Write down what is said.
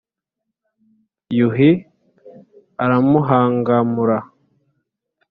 yuhi aramuhangamura